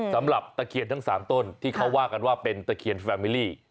สำหรับตะเขียนทั้งสามต้นที่เขาว่ากันว่าเป็นตะเขียนแฟมมิลี่